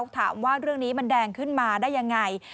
ถามว่าเรื่องนี้มันแดงขึ้นมาได้ยังไง